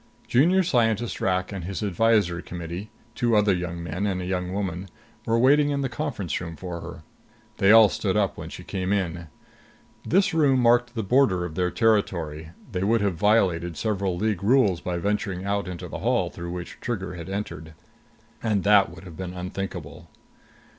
Junior Scientist Rak and his advisory committee two other young men and a young woman were waiting in the conference room for her. They all stood up when she came in. This room marked the border of their territory; they would have violated several League rules by venturing out into the hall through which Trigger had entered. And that would have been unthinkable.